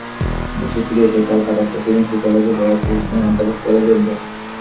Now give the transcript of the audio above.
দেশে ফিরে এসে কলকাতার প্রেসিডেন্সি কলেজে পদার্থবিজ্ঞানের অধ্যাপক পদে যোগ দেন।